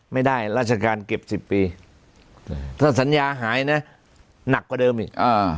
ราชการเก็บ๑๐ปีถ้าสัญญาหายนะหนักกว่าเดิมอีก